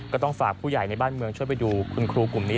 ก็ต้องฝากผู้ใหญ่ในบ้านเมืองช่วยไปดูคุณครูกลุ่มนี้